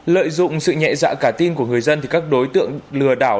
lợi dụng sự nhẹ dạ cả tin của người dân thì các đối tượng lừa đảo